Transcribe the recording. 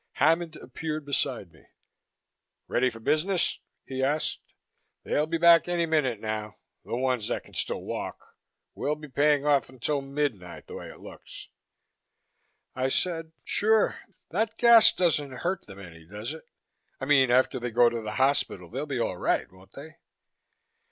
Hammond appeared beside me. "Ready for business?" he asked. "They'll be back any minute now, the ones that can still walk. We'll be paying off until midnight, the way it looks." I said, "Sure. That that gas doesn't hurt them any, does it? I mean, after they go to the hospital they'll be all right, won't they?"